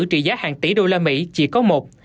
trị giá hàng tỷ đô la mỹ chỉ có một